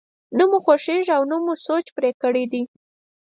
نه مو خوښېږي او نه مو سوچ پرې کړی دی.